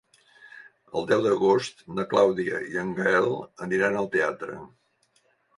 El deu d'agost na Clàudia i en Gaël aniran al teatre.